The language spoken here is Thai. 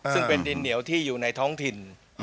ซึ่งเป็นดินเหนียวที่อยู่ในท้องถิ่น